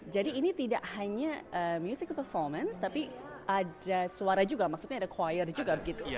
jadi ini tidak hanya musik performance tapi ada suara juga maksudnya ada choir juga gitu